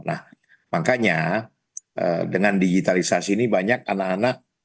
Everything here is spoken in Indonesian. nah makanya dengan digitalisasi ini banyak anak anak